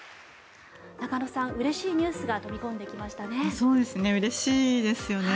中野さん、うれしいニュースが飛び込んできましたね。